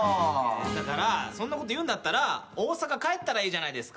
だからそんなこと言うんだったら大阪帰ったらいいじゃないですか。